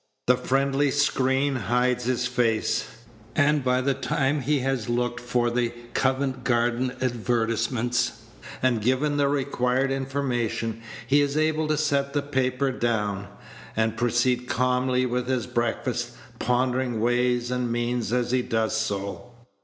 The friendly screen hides his face; and by the time he has looked for the Covent Garden advertisements, and given the required information, he is able to set the paper down, and proceed calmly with his breakfast, pondering ways and means as he does so.